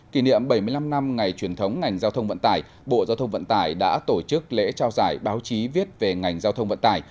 kỷ niệm bảy mươi năm năm ngày truyền thống ngành giao thông vận tải bộ giao thông vận tải đã tổ chức lễ trao giải báo chí viết về ngành giao thông vận tải